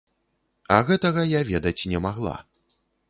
А гэтага я ведаць не магла.